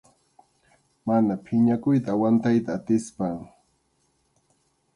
Mana phiñakuyta aguantayta atispam.